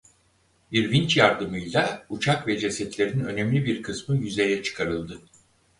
Bir vinç yardımıyla uçak ve cesetlerin önemli bir kısmı yüzeye çıkarıldı.